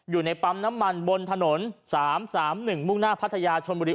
อยู่ในปั๊มน้ำมันบนถนน๓๓๑มุ่งหน้าพัทยาชนบุรี